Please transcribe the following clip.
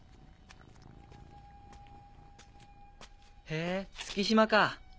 へぇ月島か。